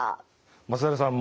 松平さん